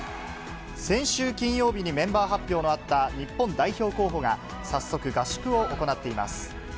先週金曜日にメンバー発表のあった日本代表候補が、早速、合宿を行っています。